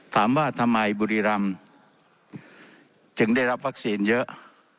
ถามว่าทำไมบุรีรำจึงได้รับวัคซีนเยอะ